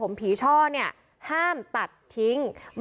วิทยาลัยศาสตรี